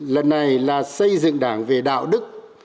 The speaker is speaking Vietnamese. lần này là xây dựng đảng về đạo đức